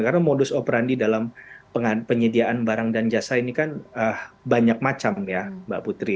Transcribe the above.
karena modus operandi dalam penyediaan barang dan jasa ini kan banyak macam ya mbak putri